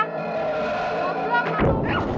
mau pelang mau